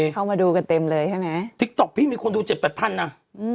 เข้ามาดูกันเต็มเลยใช่ไหมติ๊กต๊อกพี่มีคนดูเจ็ดแปดพันน่ะอืม